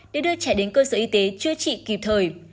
để đưa trẻ đến cơ sở y tế chữa trị kịp thời